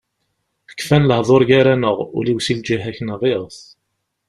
Kfan lehdur gar-aneɣ, ul-iw si lǧiha-k nɣiɣ-t.